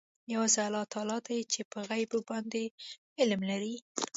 یوازې الله تعلی دی چې په غیبو باندې علم لري.